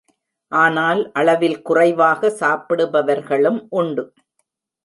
ஆனால் அளவில் குறைவாக சாப்பிடுபவர்களும் உண்டு.